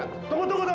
tunggu tunggu tunggu